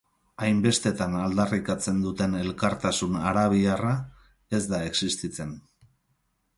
Hainbestetan aldarrikatzen duten elkartasun arabiarra, ez da existitzen.